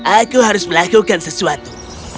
aku harus melakukan sesuatu